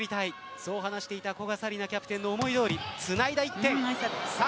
そう話していた古賀紗理那キャプテンの思いどおりつないだ１点。